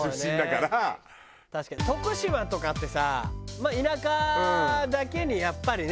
確かに徳島とかってさまあ田舎だけにやっぱりね。